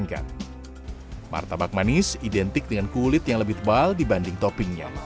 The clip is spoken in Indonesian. jadi martabak manis identik dengan kulit yang lebih tebal dibanding toppingnya